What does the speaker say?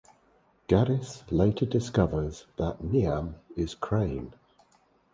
Gaddis later discovers that Neame is Crane.